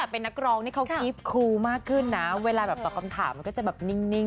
เพลงเขาก็ปล่อยมาหลายแบบเลยนะ